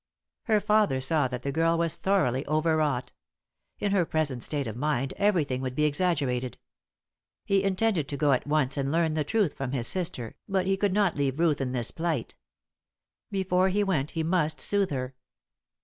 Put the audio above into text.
Her father saw that the girl was thoroughly overwrought. In her present state of mind everything would be exaggerated. He intended to go at once and learn the truth from his sister, but he could not leave Ruth in this plight. Before he went he must soothe her.